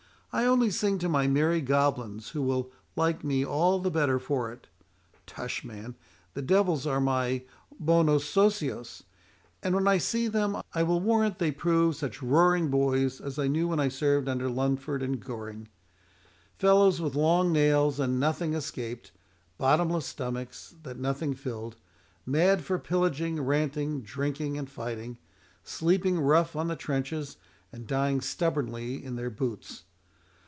"I only sing to my merry goblins, who will like me all the better for it. Tush, man, the devils are my bonos socios, and when I see them, I will warrant they prove such roaring boys as I knew when I served under Lunford and Goring, fellows with long nails that nothing escaped, bottomless stomachs, that nothing filled,—mad for pillaging, ranting, drinking, and fighting,—sleeping rough on the trenches, and dying stubbornly in their boots.